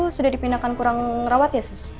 sudah dipindahkan kurang rawat ya sih